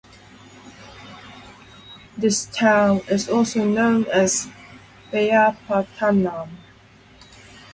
This town is also known as Balyapattanam.